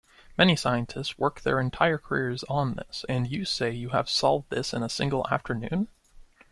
Many scientists work their entire careers on this, and you say you have solved this in a single afternoon?